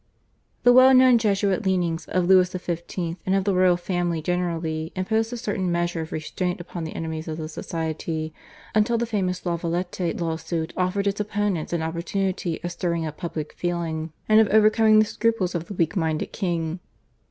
The well known Jesuit leanings of Louis XV. and of the royal family generally, imposed a certain measure of restraint upon the enemies of the Society, until the famous La Valette law suit offered its opponents an opportunity of stirring up public feeling and of overcoming the scruples of the weak minded king.